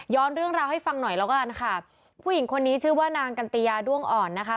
เรื่องราวให้ฟังหน่อยแล้วกันค่ะผู้หญิงคนนี้ชื่อว่านางกันติยาด้วงอ่อนนะคะ